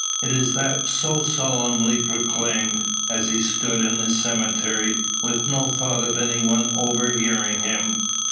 It is that so solemnly proclaimed, as he stood in the cemetery, with no thought of any one overhearing him.